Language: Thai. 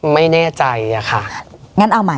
ไม่แน่ใจอะค่ะ